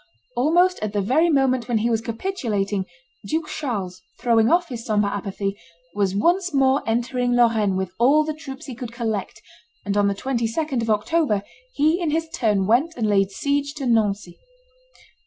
Almost at the very moment when he was capitulating, Duke Charles, throwing off his sombre apathy, was once more entering Lorraine with all the troops he could collect, and on the 22d of October he in his turn went and laid siege to Nancy.